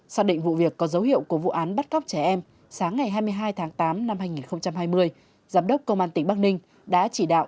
xác định vụ việc có dấu hiệu của vụ án bắt cóc trẻ em sáng ngày hai mươi hai tháng tám năm hai nghìn hai mươi giám đốc công an tỉnh bắc ninh đã chỉ đạo